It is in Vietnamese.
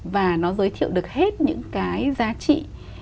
và nó giới thiệu được hết những cái giá trị